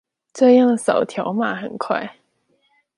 這樣掃條碼很快